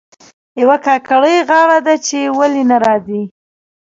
یوه کاکړۍ غاړه ده چې ولې نه راځي.